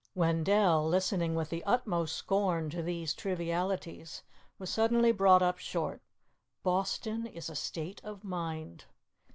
Wendell, listening with the utmost scorn to these trivialities, was suddenly brought up short. _Boston is a state of mind.